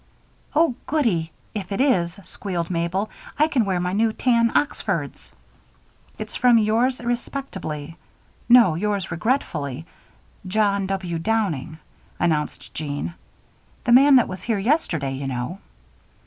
"Oh, goody! If it is," squealed Mabel, "I can wear my new tan Oxfords." "It's from Yours respectably no, Yours regretfully, John W. Downing," announced Jean. "The man that was here yesterday, you know."